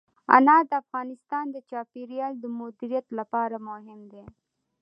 انار د افغانستان د چاپیریال د مدیریت لپاره مهم دي.